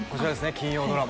金曜ドラマ